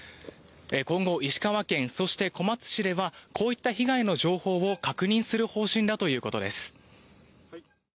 今後、石川県そして、小松市ではこういった被害の情報を確認する方針だということです。